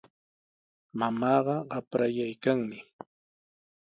Mamaaqa qaprayaykanmi.